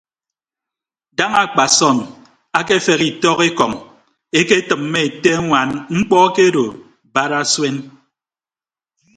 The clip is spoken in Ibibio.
Daña akpasọm afeghe itọk ekọñ eketʌmmọ ete añwaan mkpọ akedo barasuen.